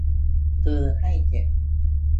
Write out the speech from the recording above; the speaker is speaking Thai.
คือให้เสร็จ